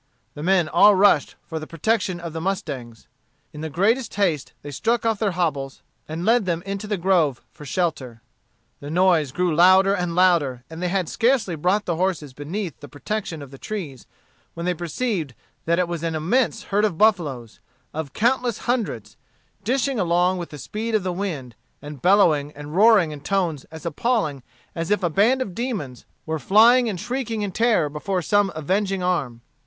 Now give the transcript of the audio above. The men all rushed for the protection of the mustangs. In the greatest haste they struck off their hobbles and led them into the grove for shelter. The noise grew louder and louder, and they had scarcely brought the horses beneath the protection of the trees, when they perceived that it was an immense herd of buffaloes, of countless hundreds, dishing along with the speed of the wind, and bellowing and roaring in tones as appalling as if a band of demons were flying and shrieking in terror before some avenging arm.